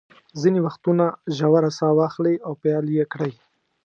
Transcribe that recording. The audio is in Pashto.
ځینې وختونه ژوره ساه واخلئ او پیل یې کړئ.